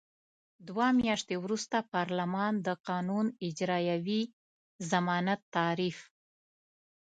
دوه میاشتې وروسته پارلمان د قانون اجرايوي ضمانت تعریف.